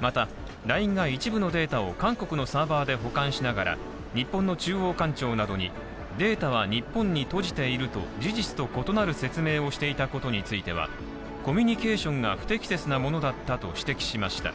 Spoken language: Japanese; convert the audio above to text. また、ＬＩＮＥが一部のデータを韓国のサーバーで補完しながら、日本の中央官庁などにデータは日本に閉じていると、事実と異なる説明をしていたことについてはコミュニケーションが不適切なものだったと指摘しました。